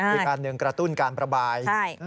อีกอันหนึ่งกระตุ้นการประบาย